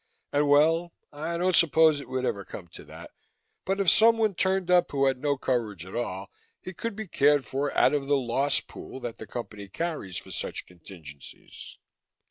And well, I don't suppose it would ever come to that, but if someone turned up who had no coverage at all, he could be cared for out of the loss pool that the Company carries for such contingencies.